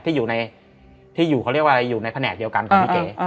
ที่อยู่ในที่อยู่เขาเรียกว่าอะไรอยู่ในแผนกเดียวกันของพี่เก๋